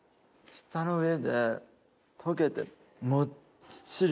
舌の上で溶けてもっちり。